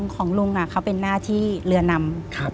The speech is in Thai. ของลุงเขาเป็นหน้าที่เรือนำ